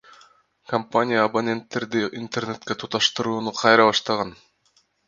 Компания абоненттерди Интернетке туташтырууну кайра баштаган.